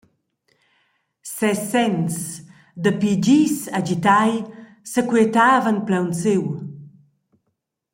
Ses senns, dapi dis agitai, sequietavan plaunsiu.